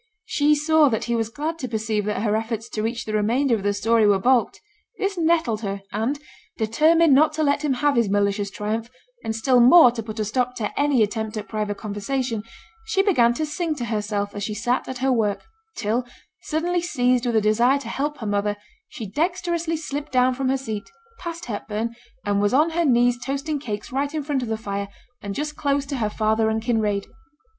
She saw that he was glad to perceive that her efforts to reach the remainder of the story were baulked! this nettled her, and, determined not to let him have his malicious triumph, and still more to put a stop to any attempt at private conversation, she began to sing to herself as she sat at her work; till, suddenly seized with a desire to help her mother, she dexterously slipped down from her seat, passed Hepburn, and was on her knees toasting cakes right in front of the fire, and just close to her father and Kinraid.